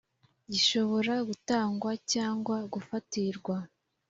gishobora gutangwa cyangwa gufatirwa